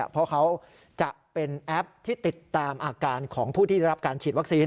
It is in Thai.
เพราะเขาจะเป็นแอปที่ติดตามอาการของผู้ที่ได้รับการฉีดวัคซีน